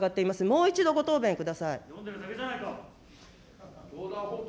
もう一度、ご答弁ください。